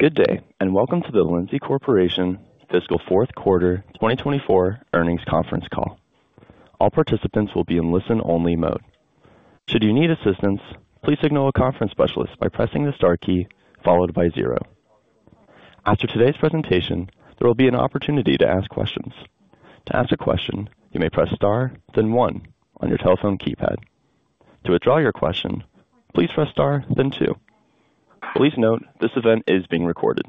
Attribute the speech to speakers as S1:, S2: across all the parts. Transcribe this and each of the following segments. S1: Good day, and welcome to the Lindsay Corporation fiscal fourth quarter 2024 earnings conference call. All participants will be in listen-only mode. Should you need assistance, please signal a conference specialist by pressing the star key followed by zero. After today's presentation, there will be an opportunity to ask questions. To ask a question, you may press star, then one on your telephone keypad. To withdraw your question, please press star then two. Please note, this event is being recorded.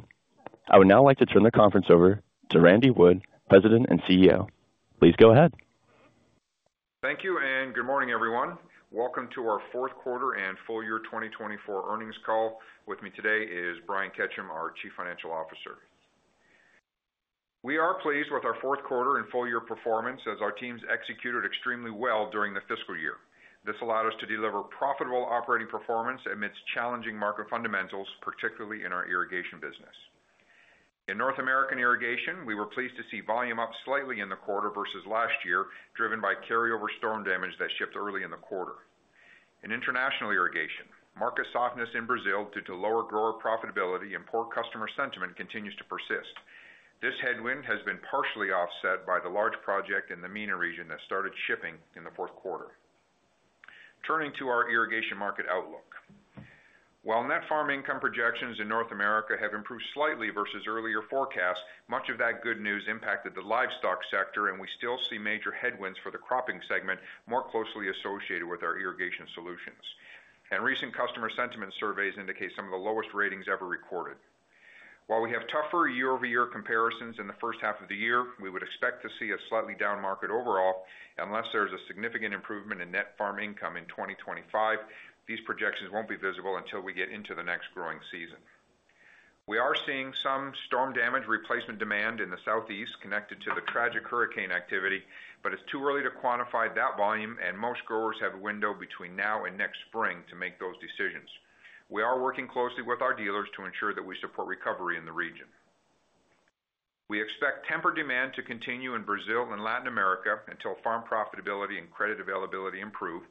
S1: I would now like to turn the conference over to Randy Wood, President and CEO. Please go ahead.
S2: Thank you, and good morning, everyone. Welcome to our fourth quarter and full year 2024 earnings call. With me today is Brian Ketcham, our Chief Financial Officer. We are pleased with our fourth quarter and full year performance as our teams executed extremely well during the fiscal year. This allowed us to deliver profitable operating performance amidst challenging market fundamentals, particularly in our irrigation business. In North American irrigation, we were pleased to see volume up slightly in the quarter versus last year, driven by carryover storm damage that shipped early in the quarter. In international irrigation, market softness in Brazil due to lower grower profitability and poor customer sentiment continues to persist. This headwind has been partially offset by the large project in the MENA region that started shipping in the fourth quarter. Turning to our irrigation market outlook. While net farm income projections in North America have improved slightly versus earlier forecasts, much of that good news impacted the livestock sector, and we still see major headwinds for the cropping segment more closely associated with our irrigation solutions, and recent customer sentiment surveys indicate some of the lowest ratings ever recorded. While we have tougher year-over-year comparisons in the first half of the year, we would expect to see a slightly down market overall, unless there is a significant improvement in net farm income in 2025. These projections won't be visible until we get into the next growing season. We are seeing some storm damage replacement demand in the Southeast connected to the tragic hurricane activity, but it's too early to quantify that volume, and most growers have a window between now and next spring to make those decisions. We are working closely with our dealers to ensure that we support recovery in the region. We expect tempered demand to continue in Brazil and Latin America until farm profitability and credit availability improve.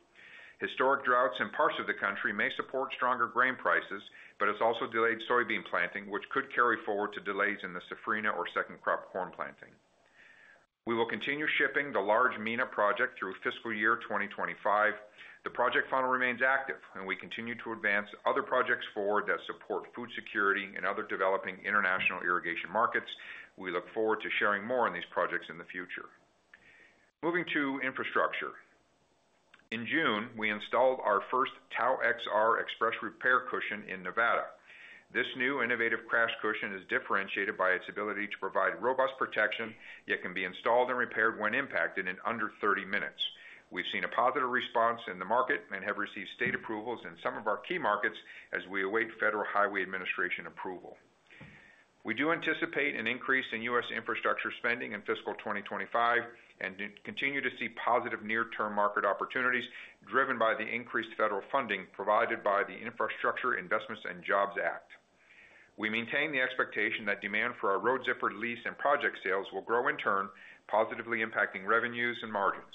S2: Historic droughts in parts of the country may support stronger grain prices, but it's also delayed soybean planting, which could carry forward to delays in the safrinha or second crop corn planting. We will continue shipping the large MENA project through fiscal year 2025. The project funnel remains active and we continue to advance other projects forward that support food security and other developing international irrigation markets. We look forward to sharing more on these projects in the future. Moving to infrastructure. In June, we installed our first TAU-XR Xpress Repair Cushion in Nevada. This new innovative crash cushion is differentiated by its ability to provide robust protection, yet can be installed and repaired when impacted in under 30 minutes. We've seen a positive response in the market and have received state approvals in some of our key markets as we await Federal Highway Administration approval. We do anticipate an increase in U.S. infrastructure spending in fiscal 2025, and continue to see positive near-term market opportunities driven by the increased federal funding provided by the Infrastructure Investment and Jobs Act. We maintain the expectation that demand for our Road Zipper lease and project sales will grow in turn, positively impacting revenues and margins.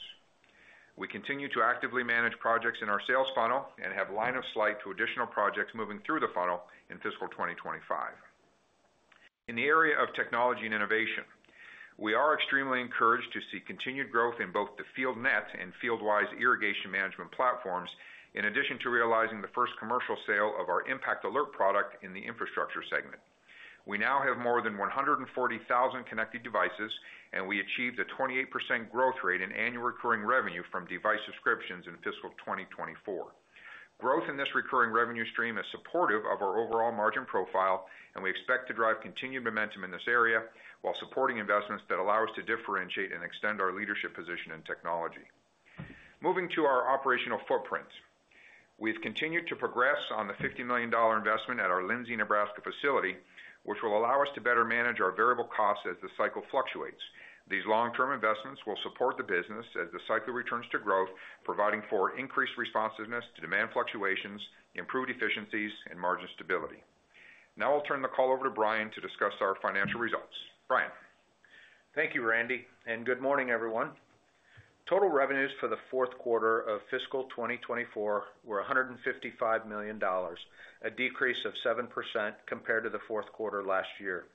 S2: We continue to actively manage projects in our sales funnel and have line of sight to additional projects moving through the funnel in fiscal 2025. In the area of technology and innovation, we are extremely encouraged to see continued growth in both the FieldNET and FieldWise irrigation management platforms, in addition to realizing the first commercial sale of our ImpactAlert product in the infrastructure segment. We now have more than one hundred and forty thousand connected devices, and we achieved a 28% growth rate in annual recurring revenue from device subscriptions in fiscal 2024. Growth in this recurring revenue stream is supportive of our overall margin profile, and we expect to drive continued momentum in this area while supporting investments that allow us to differentiate and extend our leadership position in technology. Moving to our operational footprint. We've continued to progress on the $50 million investment at our Lindsay, Nebraska, facility, which will allow us to better manage our variable costs as the cycle fluctuates. These long-term investments will support the business as the cycle returns to growth, providing for increased responsiveness to demand fluctuations, improved efficiencies, and margin stability. Now I'll turn the call over to Brian to discuss our financial results. Brian?
S3: Thank you, Randy, and good morning, everyone. Total revenues for the fourth quarter of fiscal 2024 were $155 million, a decrease of 7% compared to the fourth quarter last year.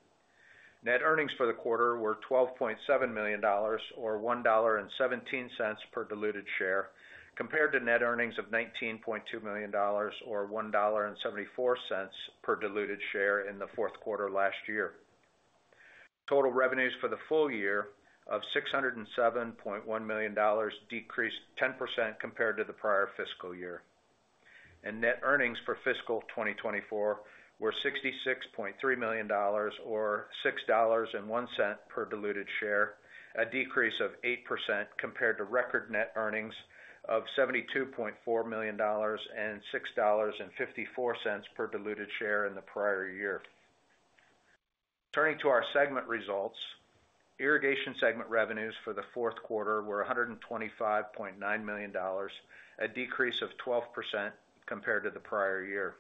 S3: Net earnings for the quarter were $12.7 million, or $1.17 per diluted share, compared to net earnings of $19.2 million or $1.74 per diluted share in the fourth quarter last year. Total revenues for the full year of $607.1 million decreased 10% compared to the prior fiscal year. Net earnings for fiscal 2024 were $66.3 million or $6.01 per diluted share, a decrease of 8% compared to record net earnings of $72.4 million and $6.54 per diluted share in the prior year. Turning to our segment results. Irrigation segment revenues for the fourth quarter were $125.9 million, a decrease of 12% compared to the prior year.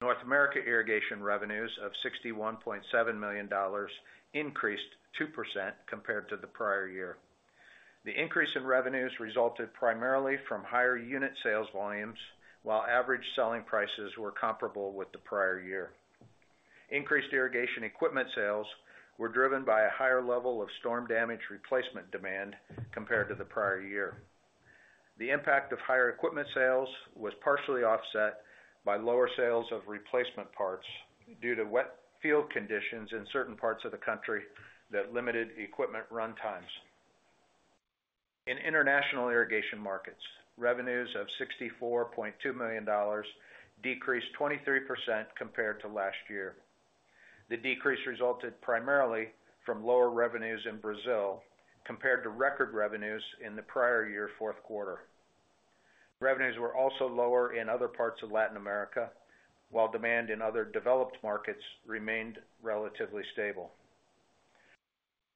S3: North America irrigation revenues of $61.7 million increased 2% compared to the prior year. The increase in revenues resulted primarily from higher unit sales volumes, while average selling prices were comparable with the prior year. Increased irrigation equipment sales were driven by a higher level of storm damage replacement demand compared to the prior year. The impact of higher equipment sales was partially offset by lower sales of replacement parts due to wet field conditions in certain parts of the country that limited equipment run times. In international irrigation markets, revenues of $64.2 million decreased 23% compared to last year. The decrease resulted primarily from lower revenues in Brazil compared to record revenues in the prior year fourth quarter. Revenues were also lower in other parts of Latin America, while demand in other developed markets remained relatively stable.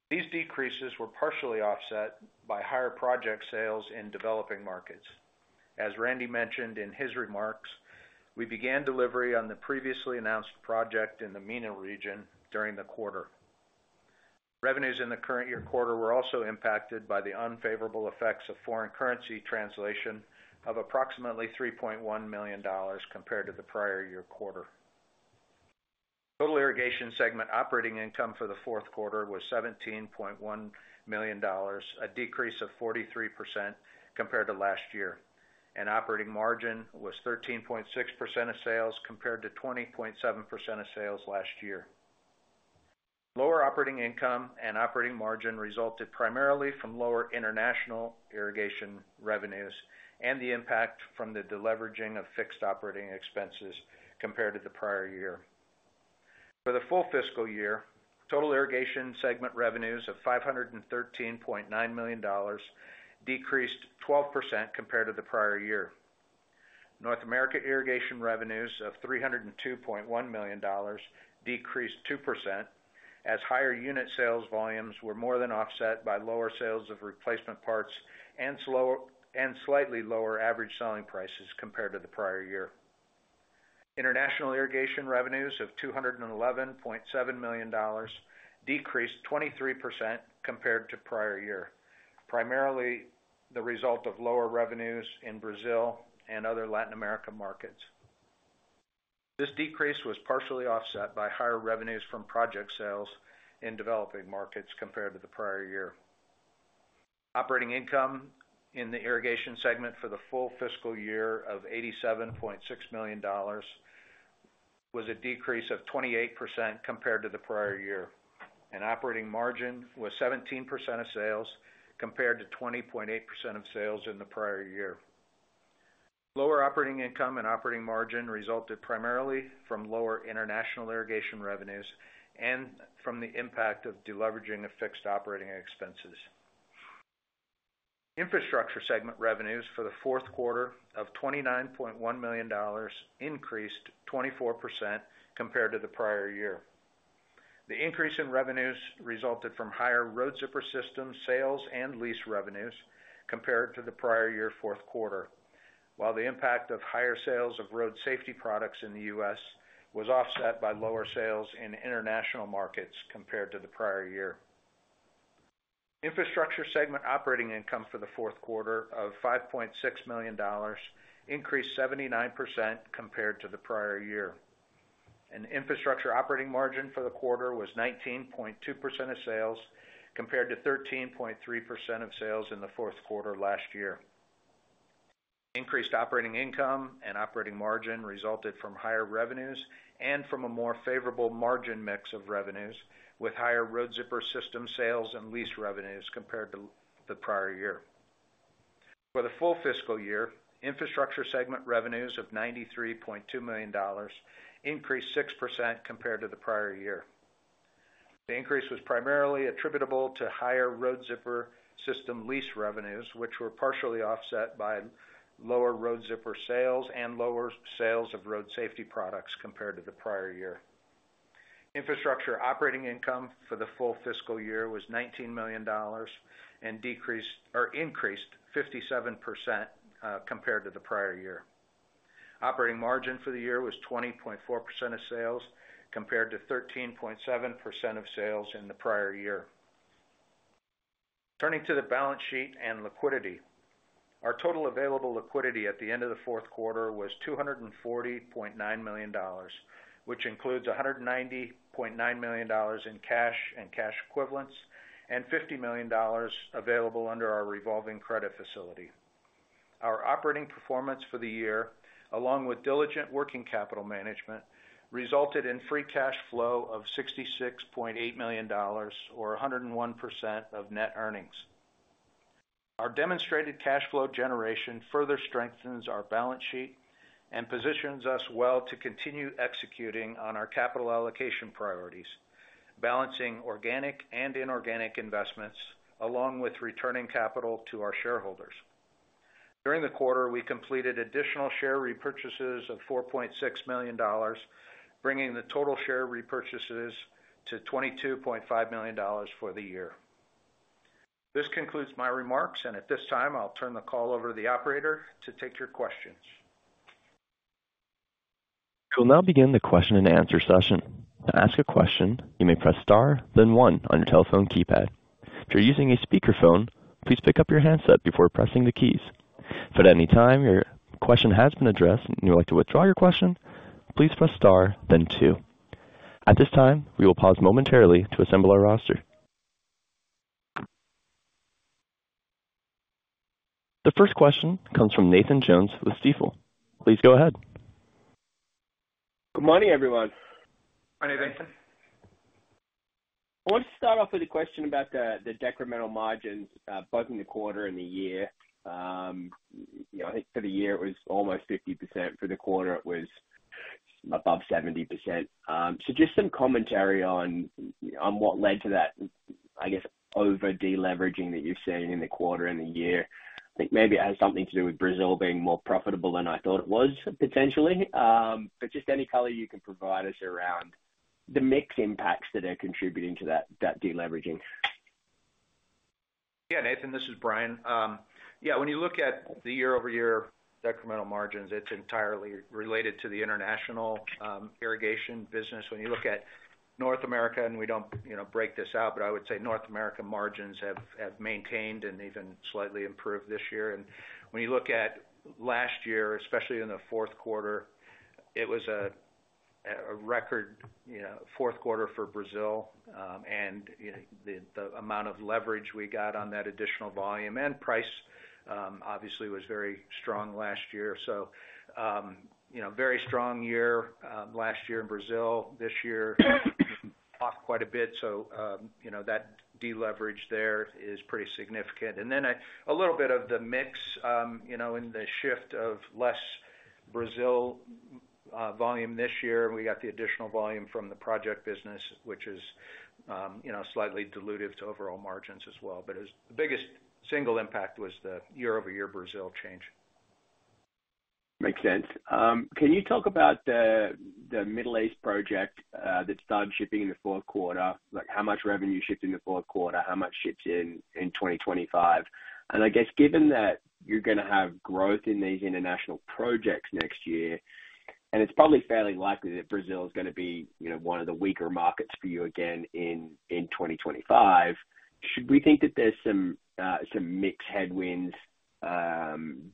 S3: These decreases were partially offset by higher project sales in developing markets. As Randy mentioned in his remarks, we began delivery on the previously announced project in the MENA region during the quarter. Revenues in the current year quarter were also impacted by the unfavorable effects of foreign currency translation of approximately $3.1 million compared to the prior year quarter. Total irrigation segment operating income for the fourth quarter was $17.1 million, a decrease of 43% compared to last year, and operating margin was 13.6% of sales, compared to 20.7% of sales last year. Lower operating income and operating margin resulted primarily from lower international irrigation revenues and the impact from the deleveraging of fixed operating expenses compared to the prior year. For the full fiscal year, total irrigation segment revenues of $513.9 million decreased 12% compared to the prior year. North America irrigation revenues of $302.1 million decreased 2%, as higher unit sales volumes were more than offset by lower sales of replacement parts and slightly lower average selling prices compared to the prior year. International irrigation revenues of $211.7 million decreased 23% compared to prior year, primarily the result of lower revenues in Brazil and other Latin America markets. This decrease was partially offset by higher revenues from project sales in developing markets compared to the prior year. Operating income in the irrigation segment for the full fiscal year of $87.6 million was a decrease of 28% compared to the prior year, and operating margin was 17% of sales, compared to 20.8% of sales in the prior year. Lower operating income and operating margin resulted primarily from lower international irrigation revenues and from the impact of deleveraging of fixed operating expenses. Infrastructure segment revenues for the fourth quarter of $29.1 million increased 24% compared to the prior year. The increase in revenues resulted from higher Road Zipper System sales and lease revenues compared to the prior year fourth quarter, while the impact of higher sales of road safety products in the U.S. was offset by lower sales in international markets compared to the prior year. Infrastructure segment operating income for the fourth quarter of $5.6 million increased 79% compared to the prior year, and infrastructure operating margin for the quarter was 19.2% of sales, compared to 13.3% of sales in the fourth quarter last year. Increased operating income and operating margin resulted from higher revenues and from a more favorable margin mix of revenues, with higher Road Zipper System sales and lease revenues compared to the prior year. For the full fiscal year, infrastructure segment revenues of $93.2 million increased 6% compared to the prior year. The increase was primarily attributable to higher Road Zipper System lease revenues, which were partially offset by lower Road Zipper sales and lower sales of road safety products compared to the prior year. Infrastructure operating income for the full fiscal year was $19 million and increased 57% compared to the prior year. Operating margin for the year was 20.4% of sales, compared to 13.7% of sales in the prior year. Turning to the balance sheet and liquidity. Our total available liquidity at the end of the fourth quarter was $240.9 million, which includes $190.9 million in cash and cash equivalents, and $50 million available under our revolving credit facility. Our operating performance for the year, along with diligent working capital management, resulted in free cash flow of $66.8 million or 101% of net earnings. Our demonstrated cash flow generation further strengthens our balance sheet and positions us well to continue executing on our capital allocation priorities, balancing organic and inorganic investments, along with returning capital to our shareholders. During the quarter, we completed additional share repurchases of $4.6 million, bringing the total share repurchases to $22.5 million for the year. This concludes my remarks, and at this time, I'll turn the call over to the operator to take your questions.
S1: We'll now begin the question-and-answer session. To ask a question, you may press star, then one on your telephone keypad. If you're using a speakerphone, please pick up your handset before pressing the keys. If at any time your question has been addressed, and you would like to withdraw your question, please press star then two. At this time, we will pause momentarily to assemble our roster. The first question comes from Nathan Jones with Stifel. Please go ahead.
S4: Good morning, everyone.
S3: Good morning, Nathan.
S4: I want to start off with a question about the decremental margins, both in the quarter and the year. You know, I think for the year, it was almost 50%. For the quarter, it was above 70%. So just some commentary on what led to that, I guess, over deleveraging that you're seeing in the quarter and the year. I think maybe it has something to do with Brazil being more profitable than I thought it was, potentially. But just any color you can provide us around the mix impacts that are contributing to that deleveraging.
S3: Yeah, Nathan, this is Brian. Yeah, when you look at the year-over-year decremental margins, it's entirely related to the international irrigation business. When you look at North America, and we don't, you know, break this out, but I would say North American margins have maintained and even slightly improved this year. And when you look at last year, especially in the fourth quarter, it was a record, you know, fourth quarter for Brazil. And, you know, the amount of leverage we got on that additional volume and price obviously was very strong last year. So, you know, very strong year last year in Brazil. This year, off quite a bit. So, you know, that deleverage there is pretty significant. And then a little bit of the mix, you know, in the shift of less Brazil volume this year, we got the additional volume from the project business, which is, you know, slightly dilutive to overall margins as well. But it was the biggest single impact, the year-over-year Brazil change.
S4: Makes sense. Can you talk about the Middle East project that started shipping in the fourth quarter? Like, how much revenue shipped in the fourth quarter, how much ships in 2025? And I guess given that you're gonna have growth in these international projects next year, and it's probably fairly likely that Brazil is gonna be, you know, one of the weaker markets for you again in 2025, should we think that there's some mixed headwinds and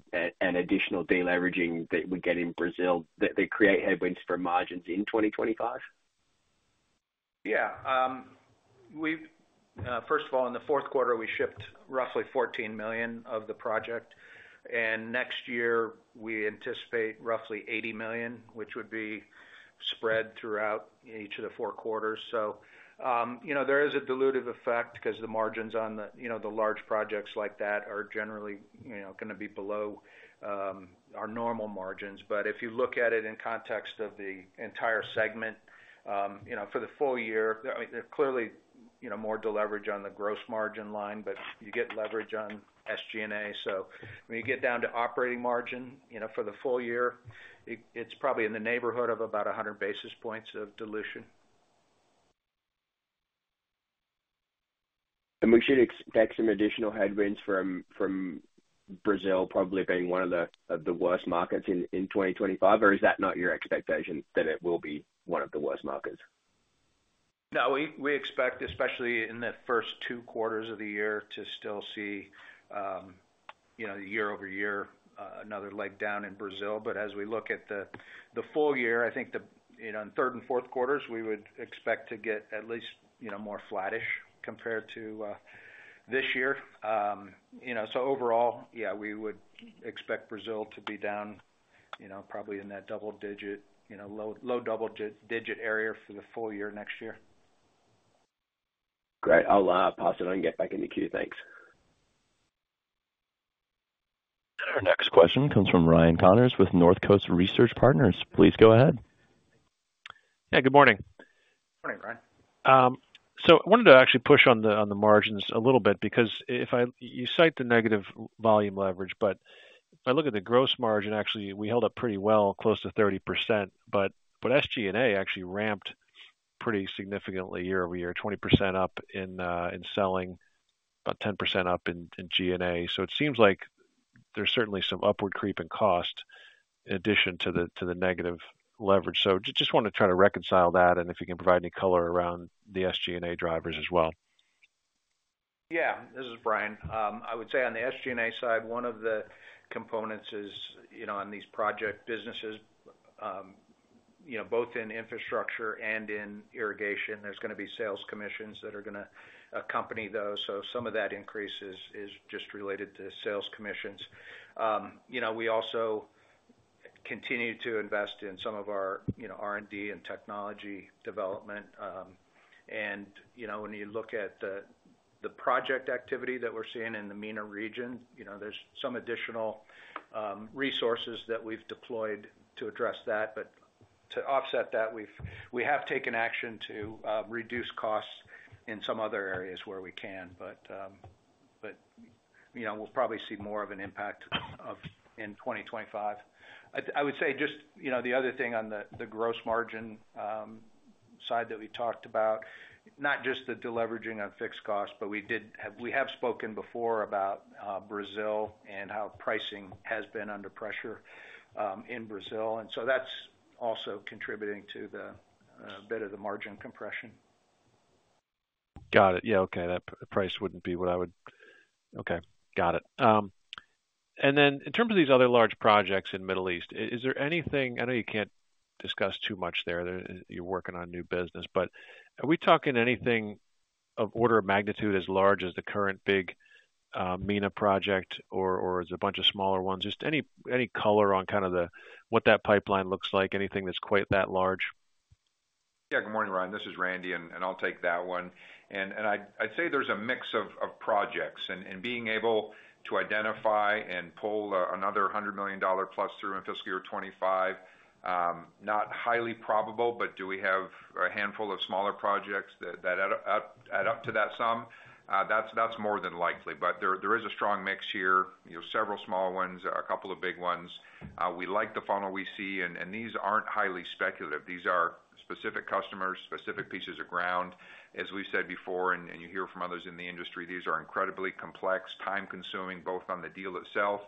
S4: additional deleveraging that we get in Brazil, that they create headwinds for margins in 2025?
S3: Yeah, we've first of all, in the fourth quarter, we shipped roughly $14 million of the project, and next year, we anticipate roughly $80 million, which would be spread throughout each of the four quarters. So, you know, there is a dilutive effect because the margins on the, you know, the large projects like that are generally, you know, gonna be below our normal margins. But if you look at it in context of the entire segment, you know, for the full year, I mean, they're clearly, you know, more deleverage on the gross margin line, but you get leverage on SG&A. So when you get down to operating margin, you know, for the full year, it's probably in the neighborhood of about 100 basis points of dilution.
S4: We should expect some additional headwinds from Brazil, probably being one of the worst markets in 2025, or is that not your expectation, that it will be one of the worst markets?
S3: No, we expect, especially in the first two quarters of the year, to still see, you know, year over year, another leg down in Brazil. But as we look at the full year, I think, you know, in third and fourth quarters, we would expect to get at least, you know, more flattish compared to this year. You know, so overall, yeah, we would expect Brazil to be down, you know, probably in that double digit, you know, low double-digit area for the full year next year.
S4: Great. I'll pause and get back in the queue. Thanks.
S1: Our next question comes from Ryan Connors with Northcoast Research Partners. Please go ahead.
S5: Yeah, good morning.
S3: Morning, Ryan.
S5: So I wanted to actually push on the, on the margins a little bit, because you cite the negative volume leverage, but if I look at the gross margin, actually, we held up pretty well, close to 30%. But SG&A actually ramped pretty significantly year over year, 20% up in selling, about 10% up in G&A. So it seems like there's certainly some upward creep in cost in addition to the negative leverage. So just want to try to reconcile that and if you can provide any color around the SG&A drivers as well.
S3: Yeah. This is Brian. I would say on the SG&A side, one of the components is, you know, on these project businesses, you know, both in infrastructure and in irrigation, there's gonna be sales commissions that are gonna accompany those. So some of that increase is just related to sales commissions. You know, we also continue to invest in some of our, you know, R&D and technology development. And, you know, when you look at the project activity that we're seeing in the MENA region, you know, there's some additional resources that we've deployed to address that. But to offset that, we've we have taken action to reduce costs in some other areas where we can. But, you know, we'll probably see more of an impact of in 2025. I would say just, you know, the other thing on the gross margin side that we talked about, not just the deleveraging on fixed costs, but we have spoken before about Brazil and how pricing has been under pressure in Brazil, and so that's also contributing to the bit of the margin compression.
S5: Got it. Yeah, okay. That price wouldn't be what I would... Okay, got it. And then in terms of these other large projects in Middle East, is there anything? I know you can't discuss too much there. You're working on new business, but are we talking anything of order of magnitude as large as the current big MENA project, or as a bunch of smaller ones? Just any color on kind of the what that pipeline looks like? Anything that's quite that large?
S2: Yeah. Good morning, Ryan. This is Randy, and I'll take that one. And I'd say there's a mix of projects, and being able to identify and pull another $100 million+ through in fiscal year 2025, not highly probable, but do we have a handful of smaller projects that add up to that sum? That's more than likely, but there is a strong mix here. You know, several small ones, a couple of big ones. We like the funnel we see, and these aren't highly speculative. These are specific customers, specific pieces of ground. As we've said before, you hear from others in the industry. These are incredibly complex, time-consuming, both on the deal itself,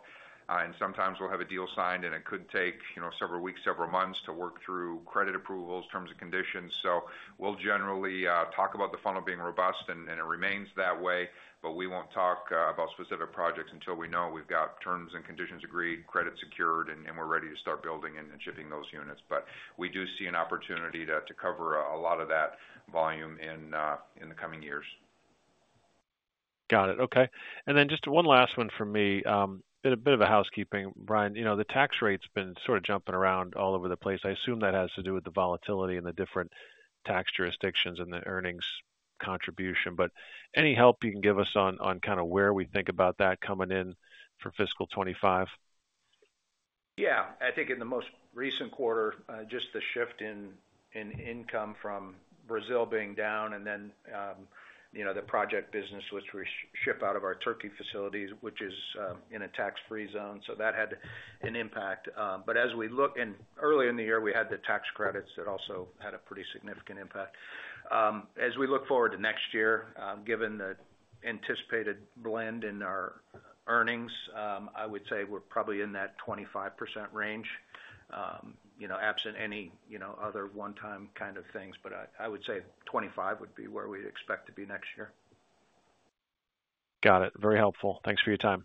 S2: and sometimes we'll have a deal signed, and it could take, you know, several weeks, several months to work through credit approvals, terms and conditions. So we'll generally talk about the funnel being robust, and it remains that way, but we won't talk about specific projects until we know we've got terms and conditions agreed, credit secured, and we're ready to start building and shipping those units. But we do see an opportunity to cover a lot of that volume in the coming years.
S5: Got it. Okay, and then just one last one from me. A bit of a housekeeping, Brian. You know, the tax rate's been sort of jumping around all over the place. I assume that has to do with the volatility and the different tax jurisdictions and the earnings contribution, but any help you can give us on, on kind of where we think about that coming in for fiscal 2025?
S3: Yeah. I think in the most recent quarter, just the shift in income from Brazil being down and then, you know, the project business, which we ship out of our Turkey facilities, which is in a tax-free zone, so that had an impact. But as we look...and early in the year, we had the tax credits that also had a pretty significant impact. As we look forward to next year, given the anticipated blend in our earnings, I would say we're probably in that 25% range, you know, absent any, you know, other one-time kind of things, but I would say 25% would be where we'd expect to be next year.
S5: Got it. Very helpful. Thanks for your time.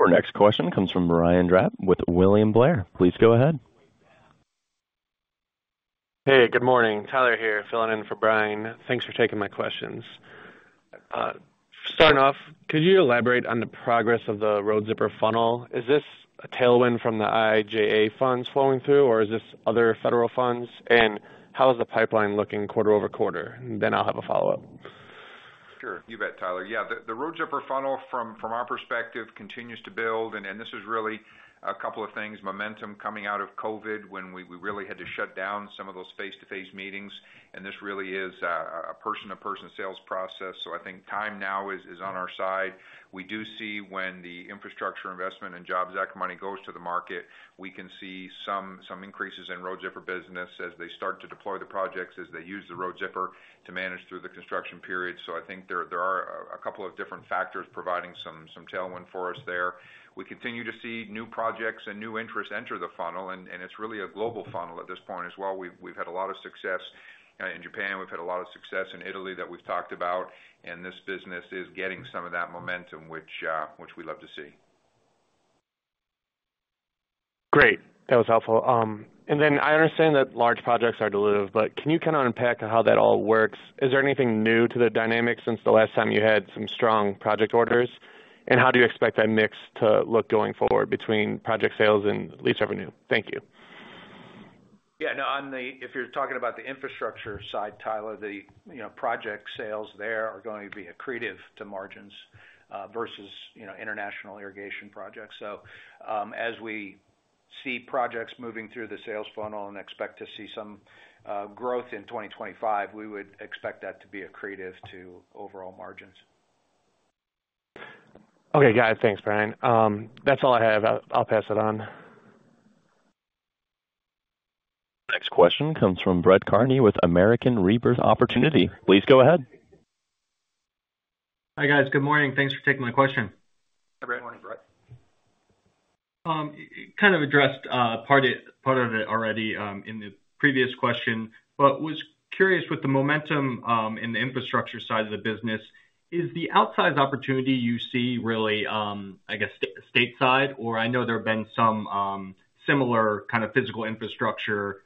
S1: Our next question comes from Brian Drab with William Blair. Please go ahead.
S6: Hey, good morning. Tyler here, filling in for Brian. Thanks for taking my questions. Starting off, could you elaborate on the progress of the Road Zipper funnel? Is this a tailwind from the IIJA funds flowing through, or is this other federal funds? And how is the pipeline looking quarter over quarter? Then I'll have a follow-up.
S2: Sure. You bet, Tyler. Yeah, the Road Zipper funnel, from our perspective, continues to build, and this is really a couple of things. Momentum coming out of COVID, when we really had to shut down some of those face-to-face meetings, and this really is a person-to-person sales process, so I think time now is on our side. We do see when the Infrastructure Investment and Jobs Act money goes to the market, we can see some increases in Road Zipper business as they start to deploy the projects, as they use the Road Zipper to manage through the construction period. So I think there are a couple of different factors providing some tailwind for us there. We continue to see new projects and new interests enter the funnel, and it's really a global funnel at this point as well. We've had a lot of success in Japan. We've had a lot of success in Italy that we've talked about, and this business is getting some of that momentum, which we love to see.
S6: Great! That was helpful, and then I understand that large projects are dilutive, but can you kind of unpack how that all works? Is there anything new to the dynamics since the last time you had some strong project orders, and how do you expect that mix to look going forward between project sales and lease revenue? Thank you.
S3: If you're talking about the infrastructure side, Tyler, the, you know, project sales there are going to be accretive to margins versus, you know, international irrigation projects. So, as we see projects moving through the sales funnel and expect to see some growth in 2025, we would expect that to be accretive to overall margins.
S6: Okay. Got it. Thanks, Brian. That's all I have. I'll pass it on.
S1: Next question comes from Brett Kearney with American Rebirth Opportunity. Please go ahead.
S7: Hi, guys. Good morning. Thanks for taking my question.
S2: Hi, Brett. Morning, Brett.
S7: You kind of addressed part of it already in the previous question, but was curious with the momentum in the infrastructure side of the business. Is the outsized opportunity you see really, I guess, stateside, or I know there have been some similar kind of physical infrastructure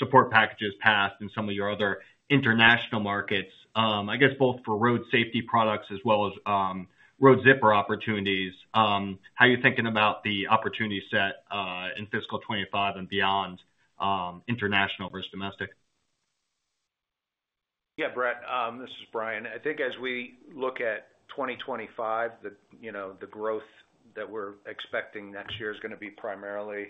S7: support packages passed in some of your other international markets, I guess both for Road safety products as well as Road Zipper opportunities. How are you thinking about the opportunity set in fiscal 2025 and beyond, international versus domestic?
S3: Yeah, Brett, this is Brian. I think as we look at 2025, you know, the growth that we're expecting next year is gonna be primarily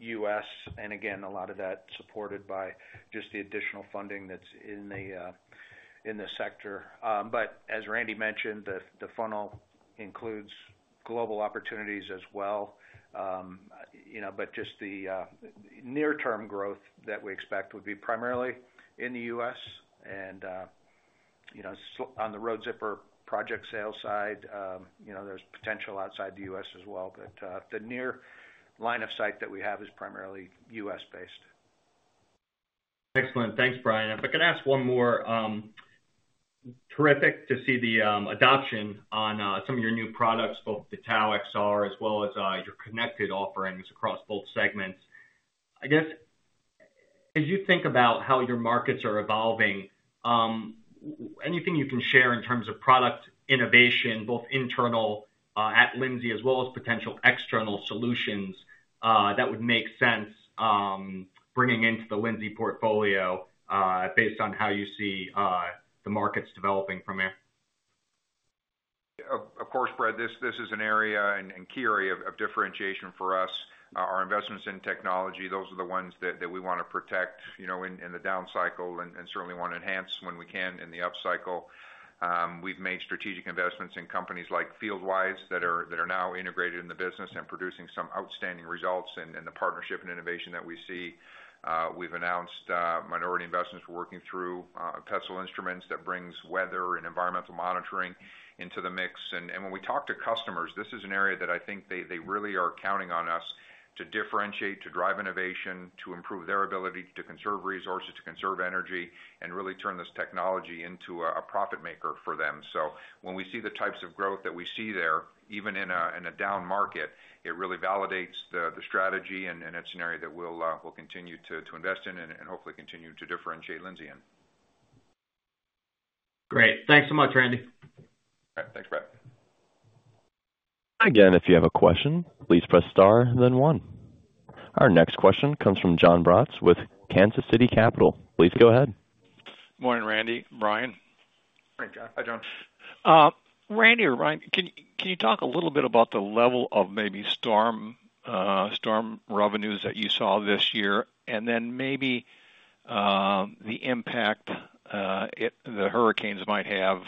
S3: U.S., and again, a lot of that supported by just the additional funding that's in the sector. But as Randy mentioned, the funnel includes global opportunities as well. You know, but just the near-term growth that we expect would be primarily in the U.S., and, you know, so on the Road Zipper project sales side, you know, there's potential outside the U.S. as well, but the near line of sight that we have is primarily U.S.-based.
S7: Excellent. Thanks, Brian. If I could ask one more, terrific to see the adoption on some of your new products, both the TAU-XR as well as your connected offerings across both segments. I guess, as you think about how your markets are evolving, anything you can share in terms of product innovation, both internal at Lindsay as well as potential external solutions that would make sense bringing into the Lindsay portfolio, based on how you see the markets developing from here?
S2: Of course, Brad, this is an area and key area of differentiation for us. Our investments in technology, those are the ones that we wanna protect, you know, in the down cycle and certainly wanna enhance when we can in the up cycle. We've made strategic investments in companies like FieldWise, that are now integrated in the business and producing some outstanding results in the partnership and innovation that we see. We've announced minority investments. We're working through Pessl Instruments that brings weather and environmental monitoring into the mix. When we talk to customers, this is an area that I think they really are counting on us to differentiate, to drive innovation, to improve their ability to conserve resources, to conserve energy, and really turn this technology into a profit maker for them. So when we see the types of growth that we see there, even in a down market, it really validates the strategy, and it's an area that we'll continue to invest in and hopefully continue to differentiate Lindsay in.
S7: Great. Thanks so much, Randy.
S2: All right. Thanks, Brett.
S1: Again, if you have a question, please press star, then One. Our next question comes from Jon Braatz, with Kansas City Capital. Please go ahead.
S8: Morning, Randy, Brian.
S2: Hi, Jon.
S3: Hi, Jon.
S8: Randy or Brian, can you talk a little bit about the level of maybe storm revenues that you saw this year, and then maybe, the impact, the hurricanes might have,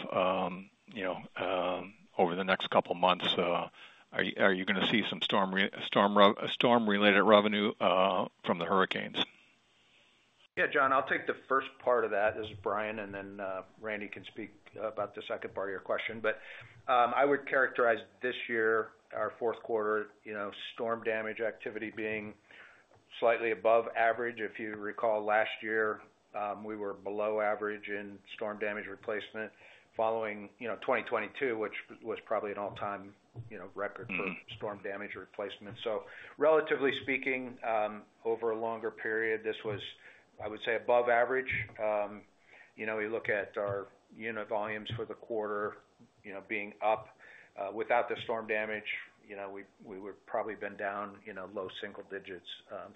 S8: you know, over the next couple months? Are you gonna see some storm-related revenue from the hurricanes?
S3: Yeah, Jon, I'll take the first part of that. This is Brian, and then, Randy can speak about the second part of your question. But, I would characterize this year, our fourth quarter, you know, storm damage activity being slightly above average. If you recall, last year, we were below average in storm damage replacement following, you know, 2022, which was probably an all-time, you know, record-
S8: Mm-hmm...
S3: for storm damage replacement. So relatively speaking, over a longer period, this was, I would say, above average. You know, we look at our unit volumes for the quarter, you know, being up. Without the storm damage, you know, we would probably been down, you know, low single digits.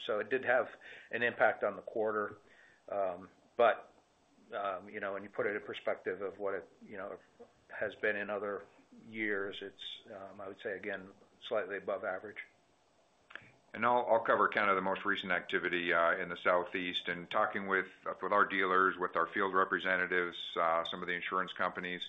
S3: So it did have an impact on the quarter. But, you know, when you put it in perspective of what it, you know, has been in other years, it's, I would say again, slightly above average.
S2: I'll cover kind of the most recent activity in the Southeast. Talking with our dealers, with our field representatives, some of the insurance companies,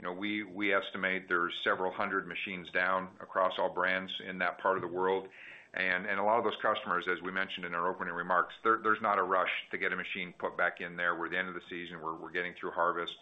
S2: you know, we estimate there are several hundred machines down across all brands in that part of the world. A lot of those customers, as we mentioned in our opening remarks, there's not a rush to get a machine put back in there. We're at the end of the season. We're getting through harvest.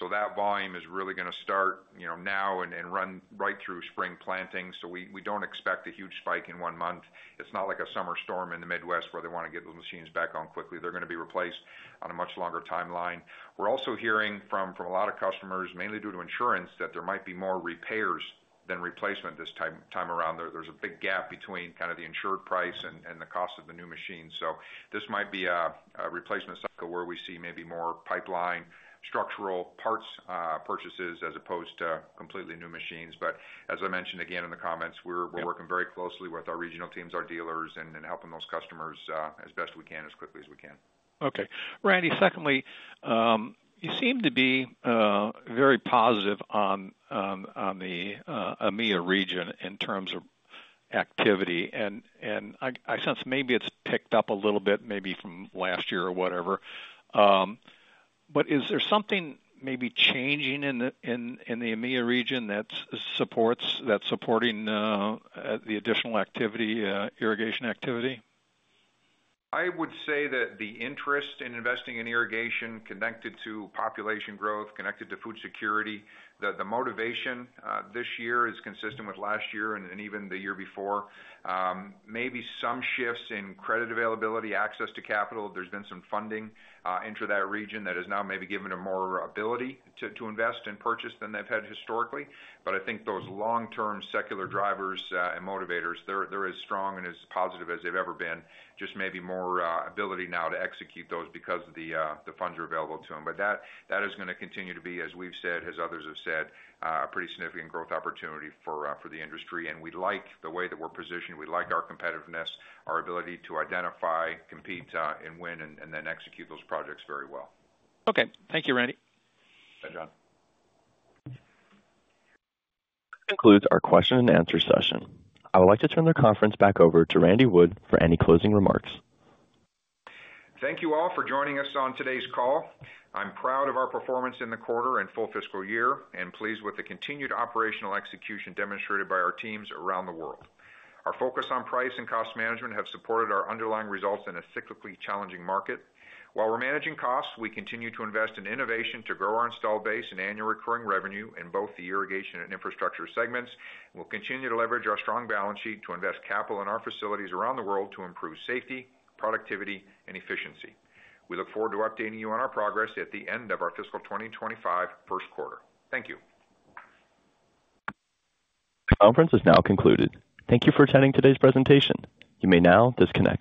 S2: So that volume is really gonna start, you know, now and run right through spring planting. We don't expect a huge spike in one month. It's not like a summer storm in the Midwest, where they wanna get the machines back on quickly. They're gonna be replaced on a much longer timeline. We're also hearing from a lot of customers, mainly due to insurance, that there might be more repairs than replacement this time around. There's a big gap between kind of the insured price and the cost of the new machine. So this might be a replacement cycle where we see maybe more pipeline, structural parts, purchases, as opposed to completely new machines. But as I mentioned again in the comments, we're-
S8: Yep...
S2: we're working very closely with our regional teams, our dealers, and helping those customers, as best we can, as quickly as we can.
S8: Okay. Randy, secondly, you seem to be very positive on the EMEA region in terms of activity. And I sense maybe it's picked up a little bit, maybe from last year or whatever. But is there something maybe changing in the EMEA region that's supporting the additional activity, irrigation activity?
S2: I would say that the interest in investing in irrigation connected to population growth, connected to food security, the motivation this year is consistent with last year and even the year before. Maybe some shifts in credit availability, access to capital. There's been some funding into that region that has now maybe given them more ability to invest and purchase than they've had historically. But I think those long-term secular drivers and motivators, they're as strong and as positive as they've ever been. Just maybe more ability now to execute those because of the funds are available to them. But that is gonna continue to be, as we've said, as others have said, a pretty significant growth opportunity for the industry. And we like the way that we're positioned. We like our competitiveness, our ability to identify, compete, and win, and then execute those projects very well.
S8: Okay. Thank you, Randy.
S2: Bye, Jon.
S1: This concludes our question-and-answer session. I would like to turn the conference back over to Randy Wood for any closing remarks.
S2: Thank you all for joining us on today's call. I'm proud of our performance in the quarter and full fiscal year, and pleased with the continued operational execution demonstrated by our teams around the world. Our focus on price and cost management have supported our underlying results in a cyclically challenging market. While we're managing costs, we continue to invest in innovation to grow our installed base and annual recurring revenue in both the irrigation and infrastructure segments. We'll continue to leverage our strong balance sheet to invest capital in our facilities around the world to improve safety, productivity, and efficiency. We look forward to updating you on our progress at the end of our fiscal 2025 first quarter. Thank you.
S1: Conference is now concluded. Thank you for attending today's presentation. You may now disconnect.